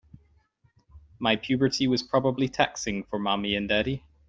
My puberty was probably taxing for mommy and daddy.